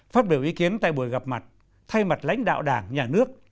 phát biểu ý kiến tại buổi gặp mặt thay mặt lãnh đạo đảng nhà nước